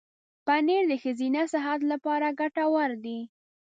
پنېر د ښځینه صحت لپاره ګټور دی.